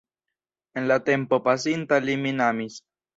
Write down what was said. En la tempo pasinta li min amis.